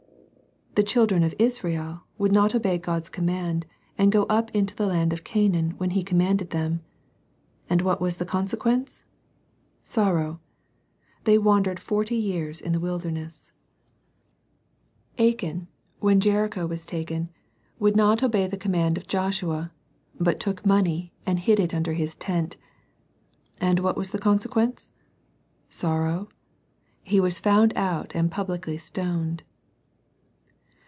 The children of Israel would not obey God's command, and go up into the land of Canaan, when He commanded them. And what was the consequence? Sorrow. They wandered forty years in the wilderness. THE TWO BEARS. 1 7 Achan, when Jericho was taken, would not obey the command of Joshua, but took money, and hid it under his tent. And what was the consequence ? Sorrow. He was found out, and publicly stoned.